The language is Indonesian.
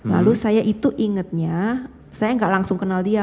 lalu saya itu ingatnya saya nggak langsung kenal dia